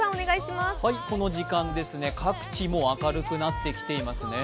この時間、各地、もう明るくなってきていますね。